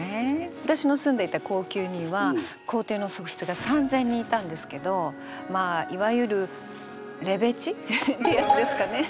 私の住んでいた後宮には皇帝の側室が３，０００人いたんですけどまあいわゆるレベチ？ってやつですかね。